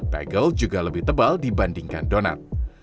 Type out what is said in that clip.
bagel juga lebih tebal dibandingkan donat